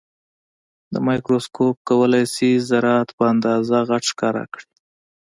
دا مایکروسکوپ کولای شي ذرات په اندازه غټ ښکاره کړي.